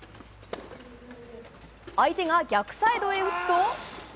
相手が逆サイドへ打つと。